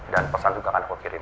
dan pesan juga akan aku kirim